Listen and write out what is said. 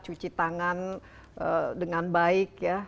cuci tangan dengan baik ya